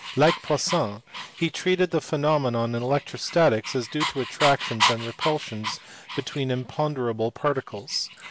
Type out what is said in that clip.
Like Poisson he treated the phenomena in electrostatics as due to attractions and re pulsions between imponderable particles.